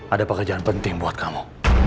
ada pekerjaan penting buat kamu